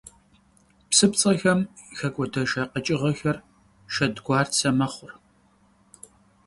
ПсыпцӀэхэм хэкӀуэдыхьыжа къэкӀыгъэхэр шэдгуарцэ мэхъу.